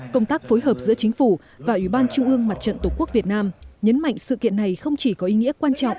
công tác phối hợp giữa chính phủ và ủy ban trung ương mặt trận tổ quốc việt nam nhấn mạnh sự kiện này không chỉ có ý nghĩa quan trọng